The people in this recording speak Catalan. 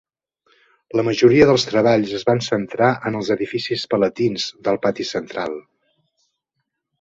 La majoria dels treballs es van centrar en els edificis palatins del pati central.